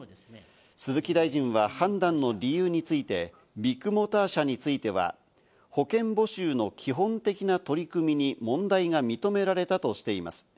鈴木大臣は判断の理由について、ビッグモーター社については、保険募集の基本的な取り組みに問題が認められたとしています。